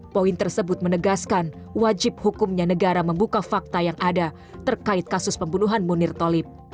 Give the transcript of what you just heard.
poin tersebut menegaskan wajib hukumnya negara membuka fakta yang ada terkait kasus pembunuhan munir tolib